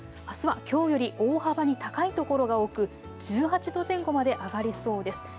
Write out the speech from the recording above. あすはきょうより大幅に高い所が多く、１８度前後まで上がりそうです。